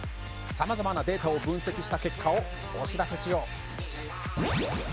さまざまなデータを分析した結果をお知らせしよう。